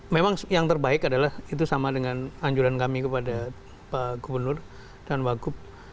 memang yang terbaik adalah itu sama dengan anjuran kami kepada pak gubernur dan wagub